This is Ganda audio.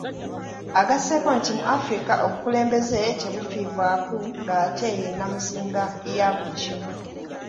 Agasseeko nti mu Africa obukulembeze tebufiibwako ng'ate ye nnamuziga yabuli kimu.